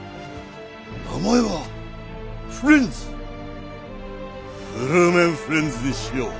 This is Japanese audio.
名前はフレンズフルーメンフレンズにしよう。